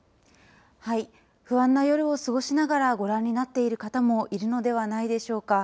不安な夜を過ごしながらご覧になっている方もいるのではないでしょうか。